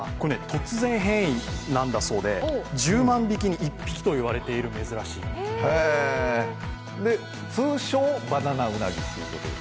突然変異なんだそうで、１０万匹に１匹と言われている珍しい通称バナナウナギっていうこと？